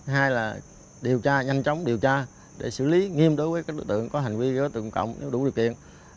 hai là nhanh chóng điều tra để xử lý nghiêm đối với các đối tượng có hành vi gây dối trật tự công cộng nếu đủ điều kiện